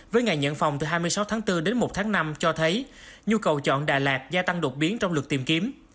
với ngày nhận phòng từ hai mươi sáu tháng bốn đến một tháng năm cho thấy nhu cầu chọn đà lạt gia tăng đột biến trong lượt tìm kiếm